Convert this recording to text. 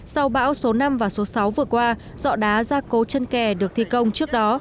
sau bão số năm và số sáu vừa qua dọ đá ra cố chân kè được thi công trước đó